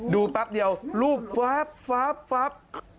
ดูแปบเดียวลูบ